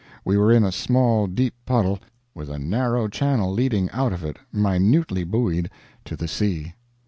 We were in a small deep puddle, with a narrow channel leading out of it, minutely buoyed, to the sea.